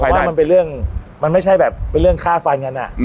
ว่ามันเป็นเรื่องมันไม่ใช่แบบเป็นเรื่องฆ่าฟันกัน